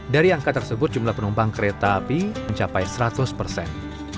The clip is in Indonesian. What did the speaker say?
dari angka tersebut jumlah penumpang kereta api mencapai seratus persen